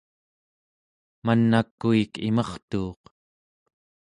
man'a kuik imartuuq